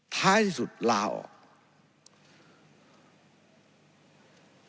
ท้ายสุดลาออก